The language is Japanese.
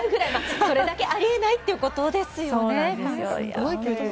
それだけ、あり得ないということですね。